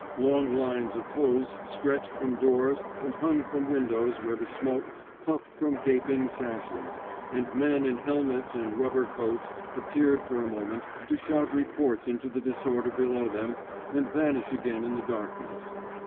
Long lines of hose stretched from doors and hung from windows where the smoke puffed from gaping sashes, and men in 12 THE ^^ BED INK SQUAD ^^ helmets and rubber coats appeared for a moment to shout reports into the disorder below them and vanish again in the dark ness.